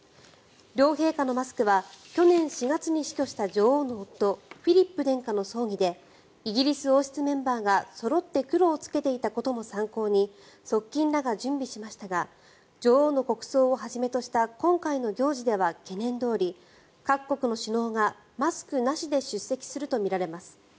両陛下のマスクは去年４月に死去したエリザベス女王の夫フィリップ殿下の葬儀でイギリス王室メンバーがそろって黒を着けていたことも参考に側近らが準備しましたが女王の国葬をはじめとした今回の行事では懸念どおり、各国の首脳がマスクなしで参加するとみられます。